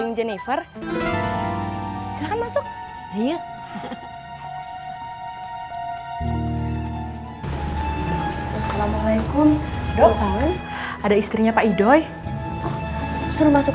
in jenifer silakan masuk ayo assalamualaikum dong salam ada istrinya pak idoi suruh masuk